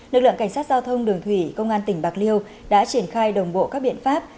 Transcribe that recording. lực lượng cảnh sát giao thông đường thủy công an tỉnh bạc liêu đã triển khai đồng bộ các biện pháp